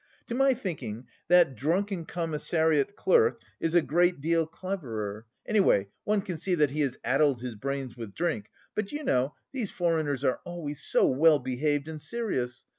To my thinking that drunken commissariat clerk is a great deal cleverer, anyway one can see that he has addled his brains with drink, but you know, these foreigners are always so well behaved and serious....